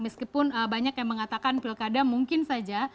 meskipun banyak yang mengatakan pilkada mungkin saja